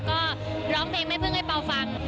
ก็ร้องเพลงแม่พึ่งให้เปล่าฟัง